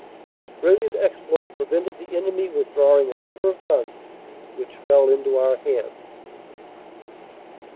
This brilliant exploit prevented the enemy withdrawing a number of guns which fell into our hands.